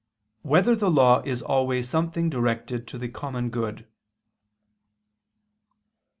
2] Whether the Law Is Always Something Directed to the Common Good?